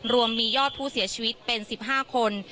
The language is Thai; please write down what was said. รวมมียอดผู้เสียชีวิตเป็น๑๕คน